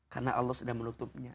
karena allah sudah menutupnya